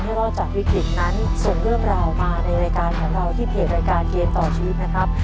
รอดจากวิกฤตนั้นส่งเรื่องราวมาในรายการของเราที่เพจรายการเกมต่อชีวิตนะครับ